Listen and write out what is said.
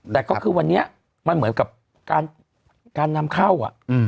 แต่ก็คือวันนี้มันเหมือนกับการนำเข้า